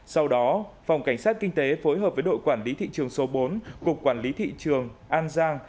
sau đó phòng cảnh sát kinh tế phối hợp với đội quản lý thị trường số bốn cục quản lý thị trường an giang